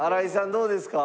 どうですか？